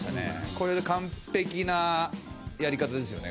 これ完璧なやり方ですよね